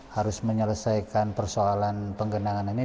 harus menyelesaikan persoalan penggenangan ini